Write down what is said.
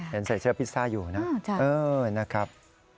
ใส่เสื้อพิซซ่าอยู่นะนะครับ